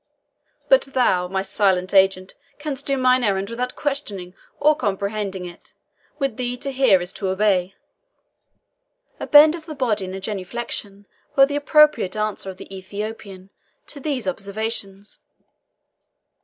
But thou, my silent agent, canst do mine errand without questioning or comprehending it; with thee to hear is to obey." A bend of the body and a genuflection were the appropriate answer of the Ethiopian to these observations.